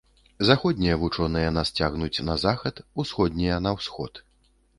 Заходнія вучоныя нас цягнуць на захад, усходнія на ўсход.